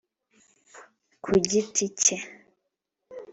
Ku giti cye